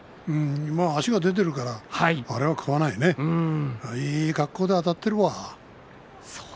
足が出ているからあれは食わないねいい格好であたっているわ。